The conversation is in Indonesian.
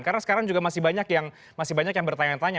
karena sekarang juga masih banyak yang bertanya tanya